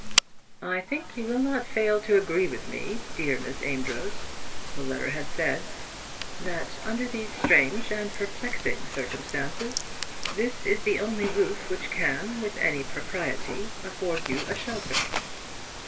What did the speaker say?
"I think you will not fail to agree with me, dear Miss Amedroz," the letter said, "that under these strange and perplexing circumstances, this is the only roof which can, with any propriety, afford you a shelter."